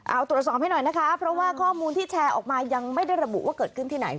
เอาตรวจสอบให้หน่อยนะคะเพราะว่าข้อมูลที่แชร์ออกมายังไม่ได้ระบุว่าเกิดขึ้นที่ไหน